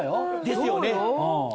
ですよね！